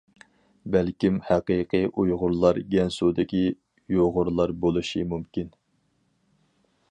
بەلكىم، ھەقىقىي ئۇيغۇرلار گەنسۇدىكى يۇغۇرلار بولۇشى مۇمكىن.